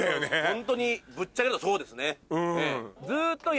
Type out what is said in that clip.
ホントにぶっちゃけ言うとそうですね。